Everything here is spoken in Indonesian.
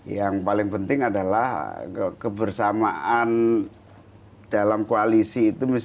yang paling penting adalah kebersamaan dalam koalisi itu